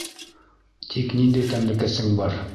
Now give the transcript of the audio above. Тик ниндәй тәмлекәсең бар?